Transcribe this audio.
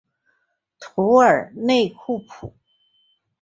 图尔内库普。